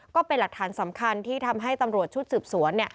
ก็เป็นหลักฐานสำคัญที่ทำให้ตำรวจชุดสืบสวน